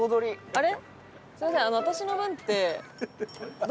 あれ？